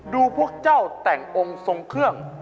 พวกเจ้าแต่งองค์ทรงเครื่อง